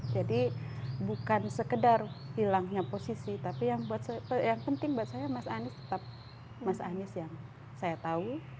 jadi bukan sekedar hilangnya posisi tapi yang penting buat saya mas anies tetap mas anies yang saya tahu